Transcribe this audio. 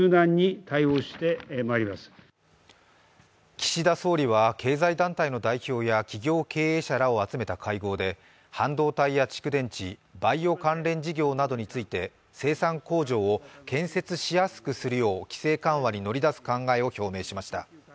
岸田総理は経済団体の代表や企業経営者らを集めた会合で半導体や蓄電池、バイオ関連事業などについて生産工場を建設しやすくするよう規制緩和に乗り出す考えを表明しました。